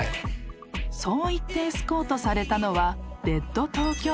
［そういってエスコートされたのは］